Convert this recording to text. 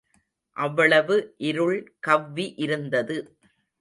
அவ்வளவு இருள் கவ்வி இருந்தது.